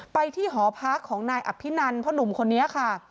ไปที่หอพักของนายอภินันพ่อหนุ่มคนนี้ค่ะ